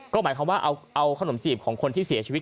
ก็หมายความว่าเอาขนมจีบของคนที่เสียชีวิต